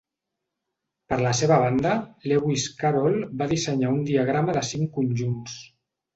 Per la seva banda, Lewis Carroll va dissenyar un diagrama de cinc conjunts.